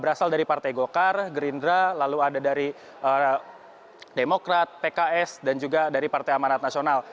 berasal dari partai golkar gerindra lalu ada dari demokrat pks dan juga dari partai amanat nasional